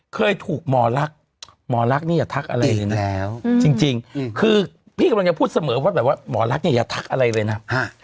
เคยถูกหมอลักษณ์หมอรักนี่อย่าทักอะไรเลยนะจริงคือพี่กำลังจะพูดเสมอว่าแบบว่าหมอรักเนี่ยอย่าทักอะไรเลยนะ